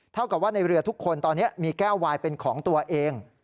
เท่ากับว่าในเรือทุกคนตอนนี้มีแก้ววายเป็นของตัวเอง